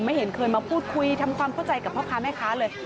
เห็นเคยมาพูดคุยทำความเข้าใจกับพ่อค้าแม่ค้าเลย